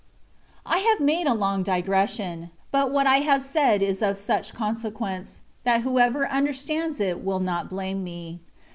I HAVE made a long digression ; but what I have said is of such consequence, that whoever under stands it will not blame me.